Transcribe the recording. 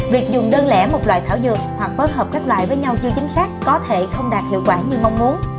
việc dùng đơn lẻ một loại thảo dược hoặc bất hợp các loại với nhau chưa chính xác có thể không đạt hiệu quả như mong muốn